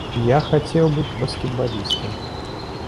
А я хацеў быць баскетбалістам.